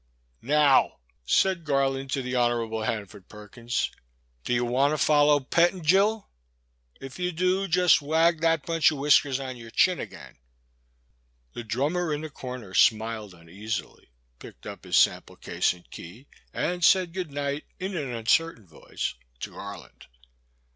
The Boy's Sister. 249 *' Now," said Garland to the Honourable Han ford Perkins, do you want to follow Pettingil ? If you do, just wag that btinch of whiskers on your chin again." The drununer in the comer smiled uneasily, picked up his sample case and key, and said good night in an uncertain voice to Garland.